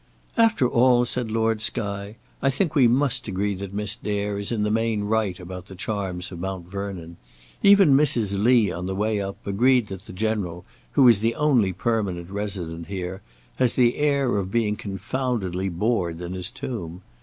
"After all," said Lord Skye, "I think we must agree that Miss Dare is in the main right about the charms of Mount Vernon. Even Mrs. Lee, on the way up, agreed that the General, who is the only permanent resident here, has the air of being confoundedly bored in his tomb.